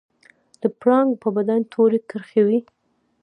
د پړانګ په بدن تورې کرښې وي